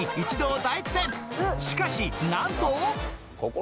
しかしなんと